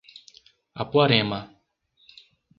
Apuarema